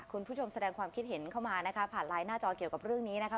คุณผู้ชมแสดงความคิดเห็นเข้ามานะคะผ่านไลน์หน้าจอเกี่ยวกับเรื่องนี้นะคะ